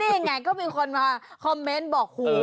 นี่ไงก็มีคนมาคอมเมนต์บอกหู